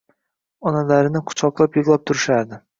Onalarini quchoqlab yigʻlab turishardi.